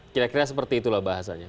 kira kira seperti itulah bahasanya